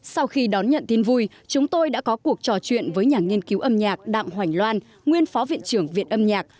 sau khi đón nhận tin vui chúng tôi đã có cuộc trò chuyện với nhà nghiên cứu âm nhạc đạm hoành loan nguyên phó viện trưởng viện âm nhạc